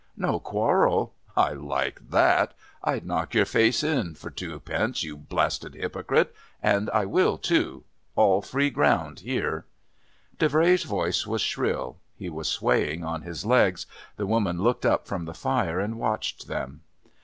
"No quarrel? I like that. I'd knock your face in for two pence, you blasted hypocrite. And I will too. All free ground here." Davray's voice was shrill. He was swaying on his legs. The woman looked up from the fire and watched them.